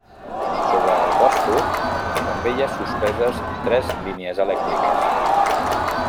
Sobre el Bòsfor també hi ha suspeses tres línies elèctriques.